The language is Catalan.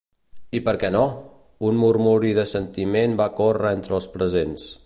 "I per què no?", un murmuri d'assentiment va córrer entre els presents.